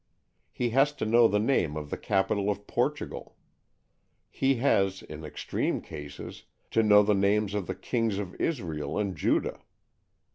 He has to know the name of the capital of Portugal. He has, in extreme cases, to know the names of the kings of Israel and Judah.